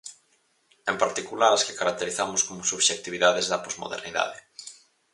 En particular, as que caracterizamos como subxectividades da Posmodernidade.